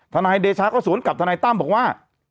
ทนายเดชาก็สวนกับทนายตั้มบอกว่า